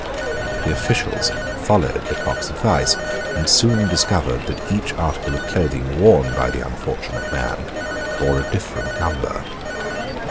The officials followed Lecoq's advice, and soon discovered that each article of clothing worn by the unfortunate man bore a different number.